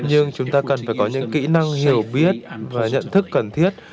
nhưng chúng ta cần phải có những kỹ năng hiểu biết và nhận thức cần thiết